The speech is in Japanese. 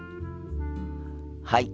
はい。